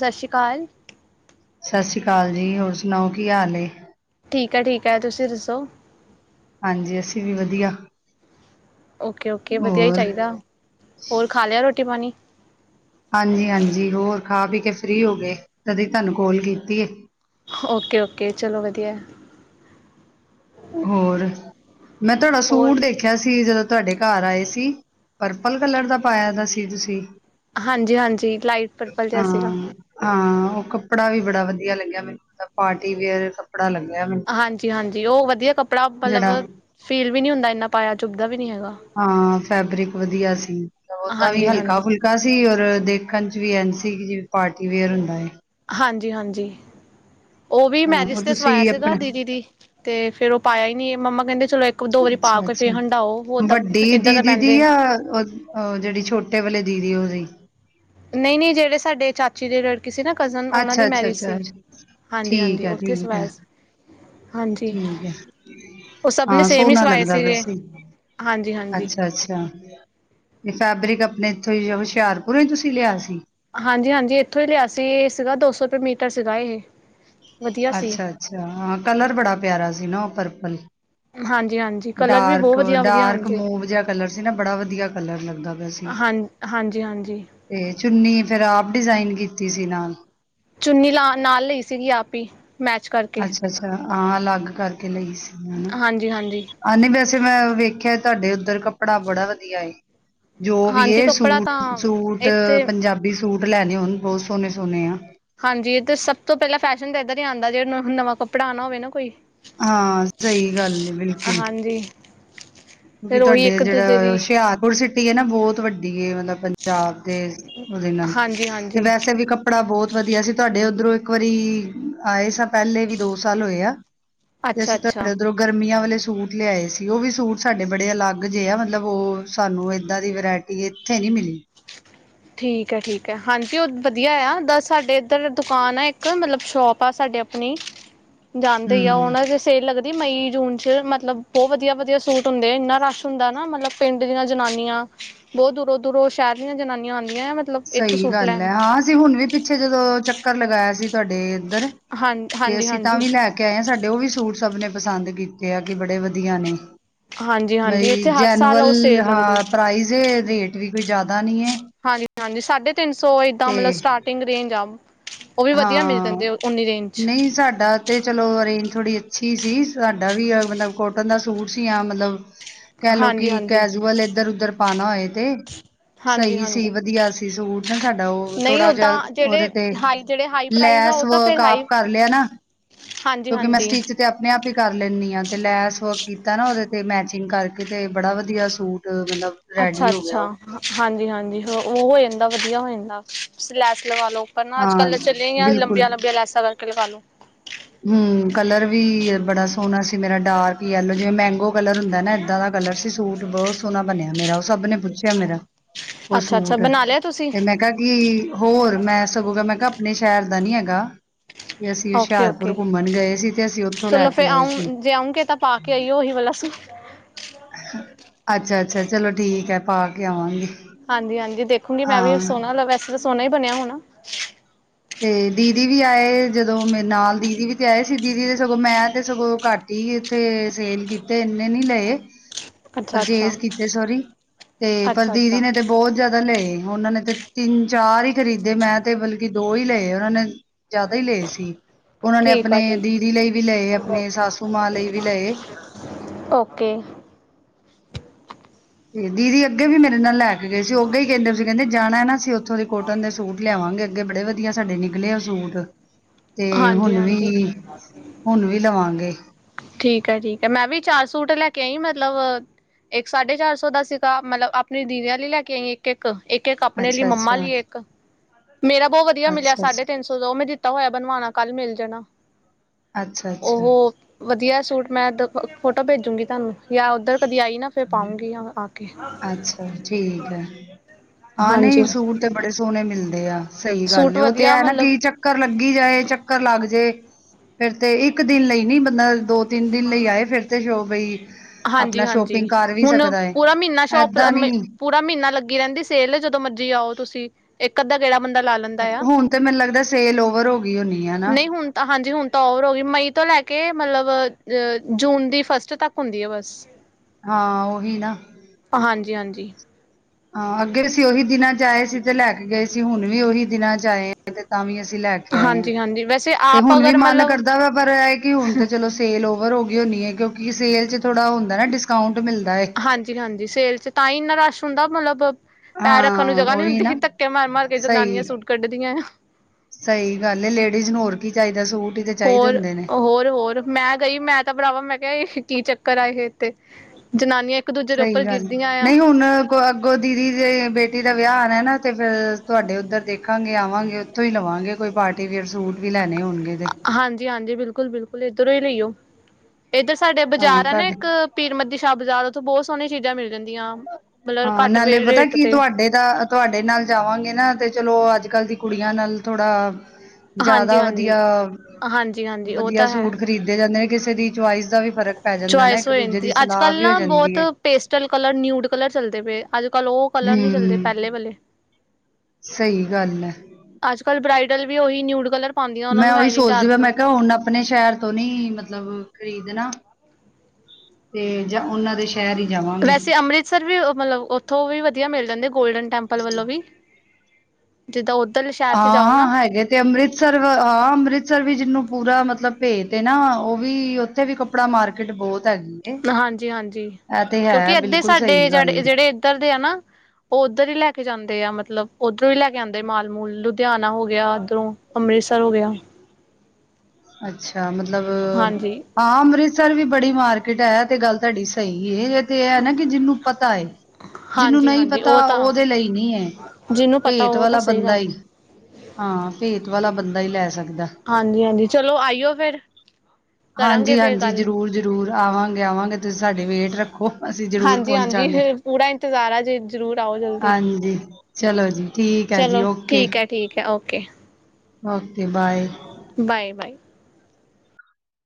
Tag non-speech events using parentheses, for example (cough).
ਸਤਿ ਸ਼੍ਰੀ ਅਕਾਲ। ਸਤਿ ਸ਼੍ਰੀ ਅਕਾਲ ਜੀ, ਹੋਰ ਸੁਣਾਓ ਕੀ ਹਾਲ ਏ? ਠੀਕ ਹੈ, ਠੀਕ ਹੈ ਤੁਸੀਂ ਦੱਸੋ? ਹਾਂਜੀ ਅਸੀਂ ਵੀ ਵਧੀਆ। ਓਕੇ- ਓਕੇ ਵਧੀਆ ਹੀ ਹੋਰ, ਚਾਹੀਦਾ। ਹੋਰ ਖਾ ਲਿਆ ਰੋਟੀ ਪਾਣੀ? ਹਾਂਜੀ- ਹਾਂਜੀ ਹੋਰ ਖਾ- ਪੀ ਕੇ ਫ੍ਰਰੀ ਹੋ ਗਏ। ਤਾਂਦੀ ਤੁਹਾਨੂੰ ਕੋਲ ਕੀਤੀ ਹੈ। ਓਕੇ- ਓਕੇ ਚਲੋ ਵਧੀਆ। ਹੋਰ, ਮੈਂ ਤੁਹਾਡਾ ਹੋਰ ਸੂਟ ਦੇਖਿਆ ਦੇਖਿਆ ਸੀ ਜਦੋਂ ਤੁਹਾਡੇ ਘਰ ਆਏ ਸੀ। ਪਰਪਲ ਕਲਰ ਦਾ ਪਾਇਆ ਤਾਂ ਸੀ, ਤੁਸੀਂ। ਹਾਂਜੀ- ਹਾਂਜੀ ਲਾਈਟ ਪਰਪਲ ਜਿਹਾ ਹਾਂ। ਸੀਗਾ। ਹਾਂ, ਉਹ ਕੱਪੜਾ ਵੀ ਬੜਾ ਵਧੀਆ ਲੱਗਿਆ ਮੈਨੂੰ। ਪ ਪਾਰਟੀ ਵੇਅਰ ਕੱਪੜਾ ਲੱਗਿਆ ਮੈਨੂੰ। ਹਾਂਜੀ- ਹਾਂਜੀ ਉਹ ਵਧੀਆ ਕੱਪੜਾ ਜਿਹੜਾ, ਮਤਲਬ ਫੀਲ ਵੀ ਨਹੀਂ ਹੁੰਦਾ। ਇੰਨਾ ਪਾਇਆ ਚੁੱਭਦਾ ਵੀ ਨਹੀਂ ਹੈਗਾ। ਹਾਂ, ਫੈਬਰਿਕ ਵਧੀਆ ਸੀ। ਮਤਲਬ ਓਦਾਂ ਵੀ ਹਾਂਜੀ ਹਲਕਾ- ਹਾਂਜੀ ਫੁਲਕਾ। ਸੀ, ਔਰ ਦੇਖਣ ਚ ਵੀ ਇੰਝ ਸੀ, ਕਿ ਜਿਵੇਂ ਪਾਰਟੀ ਵੇਅਰ ਹੁੰਦਾ ਹੈ। ਹਾਂਜੀ- ਹਾਂਜੀ ਉਹ ਵੀ ਹਾਂ ਮੈਰਿਜ ਉਹ ਤੇ, ਤੁਸੀਂ ਸਵਾਇਆ ਸੀਗਾ ਆਪਣਾ ਦੀਦੀ ਦੀ। ਤੇ ਫੇਰ ਉਹ ਪਾਇਆ ਹੀ ਨਹੀਂ। ਮੰਮਾ ਕਹਿੰਦੇ ਚਲੋ ਦੋ ਵਾਰੀ ਪਾ ਅੱਛਾ- ਕੇ ਫੇਰ ਅੱਛਾ ਹੰਢਾਓ ਓਦਾਂ ਵੱਡੀ ਏਦਾਂ ਤਾਂ ਦੀਦੀ ਪੈਂਦੇ ਦੀ ਤਾਂ ਓ ਉਹ ਜਿਹੜੀ ਛੋਟੇ ਵਾਲੀ ਦੀਦੀ ਉਹਦੀ। ਨਹੀਂ- ਨਹੀਂ ਜਿਹੜੇ ਸਾਡੇ ਚਾਚੀ ਦੇ ਲੜਕੀ। ਕਿ ਸੀ ਨਾ ਕਜ਼ਨ ਉਹਨਾਂ ਦੀ ਅੱਛਾ ਅੱਛਾ ਮੈਰਿਜ ਅੱਛਾ ਸੀ। ਹਾਂਜੀ- ਠੀਕ ਹਾਂਜੀ ਹੈ ਉੱਥੇ ਠੀਕ ਹੈ ਸਵਾਇਆ ਸੀ। ਹਾਂਜੀ ਠੀਕ ਹੈ। ਉਹ ਸਭ ਨੇ ਹਾਂ ਸੇਮ ਹੀ ਸੋਹਣਾ ਸਵਾਏ ਲੱਗਦਾ ਪਿਆ ਸੀਗੇ ਸੀ। ਹਾਂਜੀ-ਹਾਂਜੀ। ਅੱਛਾ- ਅੱਛਾ। ਤੇ ਫੈਬਰਿਕ ਆਪਣੇ ਇੱਥੋਂ ਹੀ, ਹੁਸ਼ਿਆਰਪੁਰੋਂ ਹੀ ਤੁਸੀਂ ਲਿਆ ਸੀ। ਹਾਂਜੀ- ਹਾਂਜੀ ਇੱਥੋਂ ਹੀ ਲਿਆ ਸੀ। ਸੀਗਾ ਦੋ ਸੌ ਰੁਪਏ ਮੀਟਰ ਸੀਗਾ, ਇਹ। ਵਧੀਆ ਸੀ। ਅੱਛਾ- ਅੱਛਾ ਹਾਂ, ਕਲਰ ਬੜਾ ਪਿਆਰਾ ਸੀ ਨਾ, ਉਹ ਪਰਪਲ। ਹਾਂਜੀ- ਹਾਂਜੀ। ਡਾਰਕ, ਡਾਰਕ ਮੂਵ ਜਿਹਾ ਕਲਰ ਸੀ ਨਾ। ਬੜਾ ਵਧੀਆ ਕਲਰ ਲੱਗਦਾ ਪਇਆ ਸੀ। ਹਾਂਜੀ- ਹਾਂਜੀ। ਤੇ ਚੁੰਨੀ ਫੇਰ ਆਪ ਡਿਜ਼ਾਇਨ ਕੀਤੀ ਸੀ ਨਾਲ। ਚੁੰਨੀ ਲਾ ਨਾਲ ਲਈ ਸੀਗੀ, ਆਪ ਹੀ ਮੈਚ। ਕਰਕੇ ਅੱਛਾ- ਅੱਛਾ ਆਹ ਅਲੱਗ ਕਰਕੇ ਲਈ ਸੀ। ਹਾਂਜੀ- ਹਾਂਜੀ। ਆਂ ਨਹੀਂ ਵੈਸੇ ਮੈਂ ਵੇਖਿਆ, ਤੁਹਾਡੇ ਉੱਧਰ ਕੱਪੜਾ ਬੜਾ ਵਧੀਆ ਏ। ਜੋ ਹਾਂਜੀ ਵੀ ਹਾਂਜੀ ਇਹ ਕੱਪੜਾ ਤਾਂ ਸੂਟ ਸੂਟ ਇੱਥੇ ਪੰਜਾਬੀ ਸੂਟ ਲੈਣੇ ਹੋਣ ਬਹੁਤ ਸੋਹਣੇ ਸੋਹਣੇ ਆ। ਹਾਂਜੀ ਇਹ ਤੇ ਸਭ ਤੋਂ ਪਹਿਲਾਂ ਫੈਸ਼ਨ ਤਾਂ ਇੱਧਰ ਆਉਂਦਾ ਜੇ ਨਵਾਂ ਕੱਪੜਾ ਆਉਣਾ ਹੋਵੇ ਨਾ ਕੋਈ। ਹਾਂ, ਸਹੀ ਗੱਲ ਹੈ ਬਿਲਕੁਲ। ਜੀ। ਉਹ ਵੀ ਤੁਹਾਡੇ ਜਿਹੜਾ ਹੁਸ਼ਿਆਰ। ਔਰ ਸਿਟੀ ਹੈ ਨਾ ਬਹੁਤ ਵੱਡੀ ਏ, ਮਤਲਬ ਪੰਜਾਬ ਦੇ ਉਹਦੇ ਨਾਲ ਤੇ ਹਾਂਜੀ-ਹਾਂਜੀ ਵੈਸੇ ਵੀ। ਕੱਪੜਾ ਬਹੁਤ ਵਧੀਆ ਸੀ ਤੁਹਾਡੇ ਉੱਧਰੋਂ ਇੱਕ ਵਾਰੀ ਆਏ ਸਾਂ ਪਹਿਲੇ ਵੀ ਦੋ ਸਾਲ ਹੋਏ ਆ। ਤੇ ਅਸੀਂ ਤੁਹਾਡੇ ਅੱਛਾ-ਅੱਛਾ ਉੱਧਰੋਂ ਗਰਮੀਆਂ ਵਾਲੇ ਸੂਟ ਲਿਆਏ ਸੀ ਉਹ ਵੀ ਸੂਟ। ਸਾਡੇ ਬੜੇ ਅਲੱਗ ਜਿਹੇ ਆ ਮਤਲਬ ਉਹ ਸਾਨੂੰ ਏਦਾਂ ਦੀ ਵਰਾਇਟੀ ਇੱਥੇ ਨੀ ਮਿਲੀ। ਠੀਕ ਹੈ ਠੀਕ ਹੈ, ਹਾਂਜੀ ਉਹ ਵਧੀਆ ਆ ਦਾ ਸਾਡੇ ਇੱਧਰ ਦੁਕਾਨ ਆ ਇੱਕ ਮਤਲਬ ਸ਼ੋਪ। ਪਰ ਸਾਡੇ ਆਪਣੀ। (inaudible) ਜਾਂਦੇ ਈ ਆ ਹੂੰ। ਓਨਾਂ ਦੇ ਸੇਲ ਲੱਗਦੀ ਮਈ ਜੂਨ 'ਚ ਮਤਲਬ ਬਹੁਤ ਵਧੀਆ- ਵਧੀਆ ਸੂਟ ਹੁੰਦੇ ਇੰਨਾ ਰਸ਼ ਹੁੰਦਾ ਨਾ ਮਤਲਬ ਪਿੰਡ ਦੀਆਂ ਜਨਾਨੀਆਂ, ਬਹੁਤ ਦੂਰੋਂ-ਦੂਰੋਂ ਸ਼ਹਿਰ ਦੀਆਂ ਜਨਾਨੀਆਂ ਆਦੀਆਂ ਹੈ, ਮਤਲਬ ਇੱਥੋਂ ਸਹੀ ਸੂਟ ਗੱਲ ਲੈਣ ਹੈ ਹਾਂ ਅਸੀ ਹੁਣ ਵੀ ਪਿੱਛੇ ਜਦੋ ਚੱਕਰ ਲਗਾਇਆ ਸੀ ਤੁਹਾਡੇ ਇੱਧਰ ਹਾਂ ਤੇ ਹਾਂਜੀ ਅਸੀ ਤਾਂ ਹਾਂਜੀ ਵੀ ਲੈ ਕੇ ਕੇ ਆਏ ਆ, ਸਾਡੇ ਉਹ ਵੀ ਸੂਟ ਸਭ ਨੇ ਪਸੰਦ ਕੀਤੇ ਆ ਕਿ ਬੜੇ ਵਧੀਆ ਨੇ। ਹਾਂਜੀ ਹਾਂਜੀ ਬਈ ਇੱਥੇ ਹਰ ਸਾਲ ਉਹ ਜੈਨੂਅਲ ਸੇਲ ਲੱਗਦੀ ਹਾਂ ਪ੍ਰਾਈਜ਼ ਏ ਰੇਟ ਵੀ ਕੋਈ ਜ਼ਿਆਦਾ ਨਹੀ ਹੈ। ਹਾਂਜੀ- ਹਾਂਜੀ ਸਾਢੇ ਤਿੰਨ ਸੋ ਏਦਾਂ ਤੇ ਮਤਲਬ ਸਟਾਰਟਿੰਗ ਰੇਂਜ ਆ। ਉਹ ਵੀ ਵਧੀਆ ਮਿਲ ਹਾਂ ਜਾਂਦੇ ਉਨੀ ਰੇਂਜ ਚ ਨਹੀ ਸਾਡਾ ਤੇ ਚਲੋ ਰੇਂਜ ਥੋੜ੍ਹੀ ਅੱਛੀ ਸੀ ਸਾਡਾ ਵੀ ਮਤਲਬ ਕੋਟਨ ਦਾ ਸੂਟ ਸੀ ਆ ਮਤਲਬ। ਕਹਿਲੋ ਕਿ ਹਾਂਜੀ ਹਾਂਜੀ ਕੈਜੂਵਲ ਇੱਧਰ ਉਧਰ ਪਾਣਾ ਹੋਏ ਤੇ। ਹਾਂਜੀ ਸਹੀ ਸੀ ਹਾਂਜੀ ਵਧੀਆ ਸੀ ਸੂਟ ਨਾ ਸਾਡਾ ਉਹ ਨਹੀਂ ਥੋੜਾ ਜਿਹਾ ਓਦਾਂ ਜਿਹੜੇ ਉਹਦੇ ਤੇ। ਹਾਈ ਜਿਹੜੇ ਹਾਈ ਪ੍ਰਾਈਜ਼ ਆ ਲੈਸ ਉਹ ਤਾਂ ਫਿਰ ਵਰਕ ਹਾਈ ਆਪ ਕਰ ਲਿਆ ਨਾ। ਹਾਂਜੀ ਕਿਉਂਕਿ ਮੈਂ ਹਾਂਜੀ ਸਟਿਚ ਤੇ ਆਪਣੇ ਆਪ ਹੀ ਕਰ ਲੈਂਦੀ ਹਾਂ ਤੇ ਲੈਸ ਵਰਕ ਕੀਤਾ ਨਾ ਉਹਦੇ। ਤੇ ਮੈਚਿੰਗ ਕਰਕੇ ਤੇ ਬੜਾ ਵਧੀਆ ਸੂਟ। ਮਤਲਬ ਅੱਛਾ ਰੈਡੀ ਹੋ ਗਿਆ ਅੱਛਾ। ਉਹ ਹਾਂਜੀ ਹਾਂਜੀ, ਉਹ ਹੋ ਜਾਂਦਾ ਵਧੀਆ ਹੋ ਜਾਂਦਾ ਤੁਸੀਂ ਲੈਸ ਲਗਾ ਲਓ। ਪਰ ਨਾ ਅੱਜ ਹਾਂ ਕੱਲ ਤਾਂ ਚੱਲੀਆਂ ਹੀ ਆ ਬਿਲਕੁਲ ਲੰਬੀਆਂ ਲੰਬੀਆਂ ਲੈਸਾਂ ਕਰਕੇ ਲਗਾ ਲੋ। ਹੂੰ, ਕਲਰ ਵੀ ਬੜਾ ਸੋਹਣਾ ਸੀ ਮੇਰਾ ਡਾਰਕ ਯਲੋ ਜਿਵੇਂ ਮੈਂਗੋ। ਕਲਰ ਹੁੰਦਾ ਨਾ ਏਦਾਂ ਦਾ ਕਲਰ ਸੀ ਸੂਟ ਬਹੁਤ ਸੋਹਣਾ ਬਣਿਆ ਮੇਰਾ ਉਹ ਸਭ ਨੇ ਪੁੱਛਿਆ ਮੇਰਾ। ਉਹ ਅੱਛਾ ਅੱਛਾ ਸੂਟ ਬਣਾ ਲਿਆ ਤੁਸੀਂ ਤੇ ਮੈਂ। ਕਿ ਹੋਰ ਮੈਂ ਸਗੋਂ ਮੈਂ ਕਿਆ ਆਪਣੇ ਸ਼ਹਿਰ ਦਾ ਨੀ ਹੈਗਾ, ਕਿ ਅਸੀਂ ਓਕੇ ਹੁਸ਼ਿਆਰ ਓਕੇ ਘੁੰਮਣ ਗਏ ਸੀ, ਤੇ ਅਸੀ ਓਥੋਂ ਲੈ ਚਲੋ ਕੇ ਆਏ ਸੀ। ਪਹੀਲੇ ਵਾਲਾ ਸੀ। ਅੱਛਾ-ਅੱਛਾ, ਚਲੋ ਠੀਕ ਹੈ, ਪਾ ਕੇ ਆਵਾਂਗੀ। ਹਾਂਜੀ-ਹਾਂਜੀ, ਦੇਖੁੰਗੀ ਮੈਂ ਵੀ ਸੋਹਨਾ ਲ, ਵੈਸੇ ਤਾਂ ਸੋਹਨਾ ਹੀ ਬਣਿਆ ਹੋਣਾ। ਤੇ ਦੀਦੀ ਵੀ ਆਏ, ਜਦੋ ਮੇਰੇ ਨਾਲ ਦੀਦੀ ਵੀ ਤੇ ਆਏ ਸੀ, ਦੀਦੀ ਤੇ ਸਗੋ ਮੈ ਤੇ ਸਗੋ ਘੱਟ ਠੀਕ ਇਥ ਸੇਲ ਕੀਤੇ ਇਨੇ ਨੀ ਲਏ ਅੱਛਾ ਅੱਛਾ ਪਰਚੇਜ ਕੀਤੇ ਸੋਰੀ ਤੇ ਪਰ ਅੱਛਾ ਦੀਦੀ ਅੱਛਾ ਨੇ ਤੇ ਬਹੁਤ ਜਿਆਦਾ ਲਏ ਉਹਨਾਂ ਨੇ ਤੇ ਤਿੰਨ ਚਾਰ ਹੀ ਖਰੀਦੇ ਮੈ ਤੇ ਬਲਕਿ ਦੋ ਹੀ ਲਏ ਉਹਨਾਂ ਨੇ ਜ਼ਿਆਦਾ ਹੀ ਲਏ ਸੀ, ਉਹਨਾਂ ਨੇ ਠੀਕ ਆ ਆਪਣੇ ਠੀਕ ਦੀਦੀ ਲਈ ਵੀ ਲਏ, ਆ ਆਪਣੇ ਸਾਸੂ ਮਾਂ ਲਈ ਵੀ ਲਏ। ਓਕੇ। ਦੀਦੀ ਅੱਗੇ ਵੀ ਮੇਰੇ ਨਾਲ ਲੈ ਕੇ ਗਏ ਸੀ, ਉਹ ਅੱਗੇ ਹੀ ਕਹਿੰਦੇ ਪਏ ਸੀ, ਕਹਿੰਦੇ ਜਾਣਾ ਨਾ, ਅਸੀ ਉਥੋਂ ਦੀ ਕੋਟਨ ਦੇ ਸੂਟ ਲਿਆਵਾਂਗੇ ਅੱਗੇ ਬੜੇ ਵਧੀਆ ਸਾਡੇ ਨਿਕਲੇ ਆ ਸੂਟ ਤੇ ਹਾਂਜੀ ਹੁਣ ਵੀ, ਹਾਂਜੀ ਹੁਣ ਵੀ ਲਵਾਂਗੇ। ਠੀਕ ਹੈ, ਠੀਕ ਹੈ, ਮੈ ਵੀ ਚਾਰ ਸੂਟ ਲੈ ਕੇ ਆਈ, ਮਤਲਬ ਇੱਕ ਸਾਢੇ ਚਾਰ ਸੋ ਦਾ ਸੀਗਾ ਮਤਲਬ ਆਪਣੀ ਦੀਦੀ ਲਈ ਲੈ ਕੇ ਆਈਏ ਇੱਕ- ਇੱਕ- ਇੱਕ- ਇੱਕ ਆਪਣੇ ਲਈ ਅੱਛਾ ਮੰਮਾ ਅੱਛਾ ਲਈ ਇੱਕ ਮੇਰਾ ਬਹੁਤ ਵਧੀਆ ਮਿਲਿਆ, ਅੱਛਾ ਅੱਛਾ ਸਾਡੇ ਤਿੰਨ ਸੌ ਦਾ ਉਹ ਮੈ ਦਿੱਤਾ ਹੋਇਆ। ਬਣਵਾਣਾ ਕੱਲ ਮਿਲ ਜਾਣਾ ਅੱਛਾ ਅੱਛਾ ਉਹ ਵਧੀਆ ਸੂਟ ਮੈ ਫੋਟੋ ਭੇਜੂਗੀ ਤੁਹਾਨੂੰ ਜਾਂ ਓਧਰ ਕਦੀ ਆਈ ਨਾ ਫਿਰ ਪਾਊਗੀ ਆ ਕੇ ਅੱਛਾ ਠੀਕ ਹੈ ਹਾਂ ਨਹੀ ਹਾਂਜੀ ਸੂਟ ਤੇ ਬੜੇ ਸੋਹਣੇ ਮਿਲਦੇ ਆ ਸਹੀ ਗੱਲ ਸੂਟ ਉਹ ਤੇ ਵਧੀਆ ਹੈ ਨਾ ਮਤਲਬ ਕੀ 'ਚ ਚੱਕਰ ਲੱਗੀ ਜਾਏ, ਚੱਕਰ ਲੱਗ ਜੇ, ਫ਼ੇਰ ਤੇ ਇੱਕ ਦਿਨ ਲਈ ਨੀ ਬੰਦਾ ਦੋ ਤਿੰਨ ਦਿਨ ਲਈ ਆਏ ਫਿਰ ਤੇ ਸ਼ੋਪ ਲਈ ਹਾਂਜੀ- ਹਾਂਜੀ ਹੁਣ ਪੂਰਾ ਮਹੀਨਾ ਸ਼ੋਪ ਏਦਾਂ ਨੀ ਪੂਰਾ ਮਹੀਨਾ ਲੱਗੀ ਰਹਿੰਦੀ ਸੇਲ ਜਦੋ ਮਰਜੀ ਆਓ ਤੁਸੀ ਇੱਕ ਅੱਧਾ ਗੇਹੜਾ ਬੰਦਾ ਲਾ ਲੈਦਾ ਹੁਣ ਤੇ ਮੈਨੂੰ ਲਗਦਾ ਸੇਲ ਓਵਰ ਹੋ ਗਈ ਹੁੰਣੀ ਆ। ਨਹੀਂ ਹੁਣ ਤਾਂ ਹਾਂਜੀ ਹੁਣ ਤਾਂ ਓਵਰ ਹੋ ਗਈ ਮਈ ਤੋ ਲੈ ਕੇ ਮਤਲਬ ਅ ਜੂਨ ਦੀ ਫਸਟ ਤੱਕ ਹੁੰਦੀ ਹੈ ਬਸ ਹਾਂ ਉਹੀ ਨਾ ਹਾਂਜੀ-ਹਾਂਜੀ ਹਾਂ ਅੱਗੇ ਅਸੀਂ ਉਹੀ ਦਿਨਾਂ ਚ ਆਏ ਸੀ ਤੇ ਲੈ ਕੇ ਗਏ ਸੀ ਹੁਣ ਵੀ ਉਹੀ ਦਿਨਾਂ ਚ ਆਏ ਆ ਤੇ ਤਾਂ ਵੀ ਅਸੀਂ ਲੈ ਕੇ ਆਏ ਆ। ਹਾਂਜੀ ਹਾਂਜੀ ਵੈਸੇ ਤੇ ਆਪ ਹੁਣ ਵੀ ਅਗਰ ਮਨ ਮਤਲਬ ਕਰਦਾ ਵਾ ਪਰ ਇਹ ਕਿ ਹੁਣ ਤੇ ਚਲੋ ਸੇਲ ਓਵਰ ਹੋ ਗਈ ਹੁੰਨੀ ਹੈ ਕਿਉਂਕਿ ਸੇਲ 'ਚ ਥੋੜ੍ਹਾ ਹੁੰਦਾ ਨਾ ਡਿਸਕਾਊਂਟ ਮਿਲਦਾ ਹੈ। ਹਾਂਜੀ-ਹਾਂਜੀ ਸੇਲ 'ਚ ਤਾਂ ਹੀ ਇੰਨਾ ਰਸ਼ ਹੁੰਦਾ ਮਤਲਬ- ਪੈਰ ਰੱਖਣ ਨੂੰ ਹਾਂ ਜਗ੍ਹਾ ਨੀ ਉਹੀ ਹੁੰਦੀ ਸੀ ਨਾ ਧੱਕੇ ਮਾਰ-ਮਾਰ ਕੇ ਜਨਾਨੀਆਂ ਸਹੀ ਸੂਟ ਕੱਢਦੀਆਂ ਆ, ਸਹੀ ਗੱਲ ਲੇਡੀਜ਼ ਨੂੰ ਹੋਰ ਕੀ ਚਾਹੀਦਾ ਸੂਟ ਹੀ ਤੇ ਚਾਹੀਦੇ ਹੁੰਦੇ ਨੇ। ਹੋਰ-ਹੋਰ। ਮੈ ਗਈ ਮੈ ਤਾਂ ਬਰਾਵਾ ਮੈ ਕਿਹਾ ਇਹ ਕੀ ਚੱਕਰ ਆ ਇਹ ਇਥੇ ਜਨਾਨੀਆਂ ਦੂਜੇ ਦੇ ਸਹੀ ਉੱਪਰ ਗੱਲ ਗਿਰਦੀਆਂ ਆ ਨਹੀ ਹੁਣ ਬ ਅੱਗੋ ਦੀਦੀ ਦੇ ਬੇਟੀ ਦਾ ਵਿਆਹ ਆਣਾ ਨਾ, ਤੇ ਫ਼ੇਰ ਤੁਹਾਡੇ ਉਧਰ ਦੇਖਾਂਗੇ ਆਵਾਂਗੇ। ਤੋਹੀ ਲਵਾਂਗੇ ਕੋਈ ਪਾਰਟੀ ਵਅਰ ਸੂਟ ਵੀ ਲੈਣੇ ਹੋਣਗੇ ਤੇ ਹਾਂਜੀ- ਹਾਂਜੀ ਬਿਲਕੁਲ- ਬਿਲਕੁਲ ਇੱਧਰੋ ਹੀ ਲਈਓ ਇੱਧਰ ਸਾਡੇ ਹਾਂ ਬਾਜ਼ਾਰ ਆ ਨਾ ਤੁਹਾਡੇ ਇੱਕ ਪੀਰਮੰਜੀ ਸ਼ਾਹ ਬਾਜ਼ਾਰ, ਉੱਥੋਂ ਬਹੁਤ ਸੋਹਣੀਆਂ ਚੀਜ਼ਾਂ ਮਿਲ ਜਾਂਦੀਆਂ। ਮਤਲਬ ਹਾਂ ਘੱਟ ਨਾਲੇ ਪਤਾ ਰੇਟ ਕੀ ਤੇ ਤੁਹਾਡੇ ਤਾਂ ਤੁਹਾਡੇ ਨਾਲ ਜਾਵਾਂਗੇ ਨਾ ਤੇ ਚਲੋ ਅੱਜ ਕੱਲ ਦੀ ਕੁੜੀਆਂ ਨਾਲ ਥੋੜਾ ਹਾਂਜੀ ਜਿਆਦਾ ਹਾਂਜੀ ਵਧੀਆ, ਹਾਂਜੀ ਹਾਂਜੀ ਉਹ ਵਧੀਆ ਤਾਂ ਹੈ। ਸੂਟ ਖਰੀਦੇ ਜਾਂਦੇ ਨੇ, ਕਿਸੇ ਦੀ ਚੁਆਇਸ ਦਾ ਵੀ ਫ਼ਰਕ ਪੈ ਜਾਂਦਾ ਨਾ ਚੁਆਇਸ ਇੱਕ ਹੋ ਦੂਜੇ ਜਾਂਦੀ ਦੀ ਅੱਜ ਸਲਾਹ ਕੱਲ੍ਹ ਵੀ ਹੋ ਨਾ ਜਾਂਦੀ ਬਹੁਤ ਹੈ। ਪੇਸਟਲ ਕਲਰ ਨਿਊਡ ਕਲਰ ਚੱਲਦੇ ਪਏ ਅੱਜ ਕੱਲ ਉਹ ਕਲਰ ਨਹੀ ਚੱਲਦੇ ਹਮ ਪਹਿਲੇ ਵਾਲੇ ਸਹੀ ਗੱਲ ਹੈ ਅੱਜ-ਕੱਲ੍ਹ ਬਰਾਾਈਡਲ ਵੀ ਉਹੀ ਨਿਊਡ ਕਲਰ ਪਾਉਂਦੀਆਂ ਉਹਨਾਂ ਮੈਂ ਨੂੰ ਹੈ ਉਹੀ ਨੀ ਸੋਚਦੀ ਡਾਰਕ ਮੈਂ ਕਿਹਾ ਹੁਣਨਾ ਆਪਣੇ ਸ਼ਹਿਰ ਤੋਂ ਨੀ ਮਤਲਬ ਖ਼ਰੀਦਣਾ, ਤੇ ਜਾਂ ਉਹਨਾਂ ਦੇ ਸ਼ਹਿਰ ਹੀ ਜਾਵਾਂ। ਵੈਸੇ ਅੰਮ੍ਰਿਤਸਰ ਵੀ ਮਤਲਬ ਉੱਥੋਂ ਵੀ ਵਧੀਆ ਮਿਲ ਜਾਂਦੇ ਗੋਲਡਨ ਟੈਂਪਲ ਵੱਲੋਂ ਵੀ। ਜਿੱਦਾਂ ਉੱਧਰ- ਸ਼ਹਿਰ ਚ ਜਾਓ ਨਾ ਹਾਂ ਹੈਗੇ- ਤੇ ਅੰਮ੍ਰਿਤਸਰ ਹਾਂ ਅੰਮ੍ਰਿਤਸਰ ਵੀ ਜਿਹਨੂੰ ਪੂਰਾ ਮਤਲਬ ਭੇਤ ਨਾ ਉਹ ਵੀ ਉੱਥੇ ਵੀ ਕੱਪ- ਕੱਪੜਾ ਮਾਰਕੀਟ ਬਹੁਤ ਹੈਗੀ। ਏ। ਹਾਂਜੀ-ਹਾਂਜੀ, ਇਹ ਤੇ ਕਿਉਂਕਿ ਹੈ ਏਧੇ ਬਿਲਕੁਲ ਸਾਡੇ ਸਹੀ ਜੇ ਗੱਲ ਏ। ਜਿਹੜੇ ਇੱਧਰ ਦੇ ਆ ਨਾ- ਉਹ ਉੱਧਰ ਹੀ ਲੈ ਕੇ ਜਾਂਦੇ ਆ ਮਤਲਬ ਉੱਧਰੋਂ ਹੀ ਲੈ ਕੇ ਆਉਦੇ ਮਾਲ-ਮੂਲ ਲੁਧਿਆਣਾ ਹੋ ਗਿਆ ਉੱਧਰੋਂ। ਅੰਮ੍ਰਿਤਸਰ ਹੋ ਗਿਆ। ਅੱਛਾ ਮਤਲਬ- ਹਾਂਜੀ ਹਾਂ ਅੰਮ੍ਰਿਤਸਰ ਵੀ ਬੜੀ ਮਾਰਕੀਟ ਹੈ ਤੇ ਗੱਲ ਤੁਹਾਡੀ ਸਹੀ ਹੈ ਤੇ ਇਹ ਨਾ ਕਿ ਜਿਹਨੂੰ- ਪਤਾ ਏ। ਜਿਹਨੂੰ ਹਾਂਜੀ ਨਹੀਂ ਹਾਂਜੀ ਪਤਾ ਉਹ ਤਾਂ ਉਹਦੇ ਲਈ ਨਹੀਂ ਹੈ, ਜਿਹਨੂੰ ਪਤਾ ਭੇਤ ਉਹ ਤਾਂ ਵਾਲਾ ਸਹੀ ਗੱਲ ਬੰਦਾ- ਹੈ ਹਾਂ ਭੇਤ ਵਾਲਾ ਬੰਦਾ ਹੀ ਲੈ ਸਕਦਾ। ਹਾਂਜੀ ਹਾਂਜੀ ਚਲੋ ਆਈਓ ਫਿਰ। ਕਰਾਂਗੇ ਹਾਂਜੀ ਫਿਰ ਹਾਂਜੀ ਗੱਲ ਜ਼ਰੂਰ ਜ਼ਰੂਰ ਆਵਾਂਗੇ ਆਵਾਂਗੇ ਤੁਸੀਂ ਸਾਡੇ ਵੇਟ ਰੱਖੋ ਅਸੀਂ ਜ਼ਰੂਰ ਹਾਂਜੀ ਹਾਂਜੀ ਪਹੁੰਚਾਂਗੇ। ਪੂਰਾ ਇੰਤਜ਼ਾਰ ਆ ਜੇ ਜ਼ਰੂਰ ਆਓ ਜਲਦੀ। ਹਾਂਜੀ ਚਲੋ ਜੀ ਠੀਕ ਹੈ ਜੀ ਚਲੋ ਓਕੇ ਠੀਕ ਹੈ ਠੀਕ ਹੈ ਓਕੇ ਓਕੇ ਬਾਏ। ਬਾਏ-ਬਾਏ।